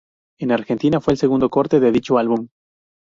En Argentina, fue el segundo corte de dicho álbum.